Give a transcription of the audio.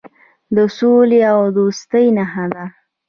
د سولې او دوستۍ نښه ده.